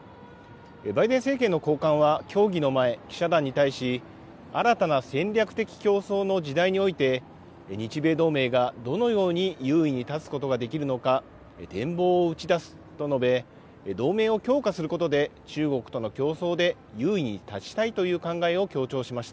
バイデン政権の高官は協議の前、記者団に対し、新たな戦略的競争の時代において、日米同盟がどのように優位に立つことができるのか、展望を打ち出すと述べ、同盟を強化することで、中国との競争で優位に立ちたいという考えを強調しました。